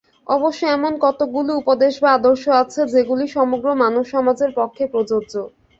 অবশ্য এমন কতকগুলি উপদেশ বা আদর্শ আছে, যেগুলি সমগ্র মানবসমাজের পক্ষে প্রযোজ্য।